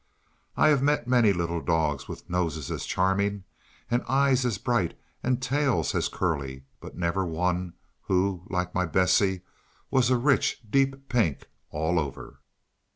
I have met many little dogs with noses as charming, and eyes as bright, and tails as curly; but never one who, like my Bessie, was a rich, deep pink all over.